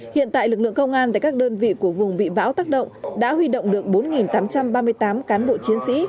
hiện tại lực lượng công an tại các đơn vị của vùng bị bão tác động đã huy động được bốn tám trăm ba mươi tám cán bộ chiến sĩ